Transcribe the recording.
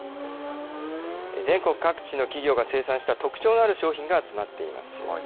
全国各地の企業が生産した特徴のある商品が集まっています。